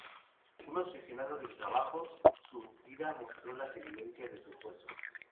Un obsesionado del trabajo, su vida mostró las evidencias de su esfuerzo.